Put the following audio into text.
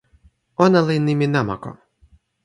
ona li nimi namako.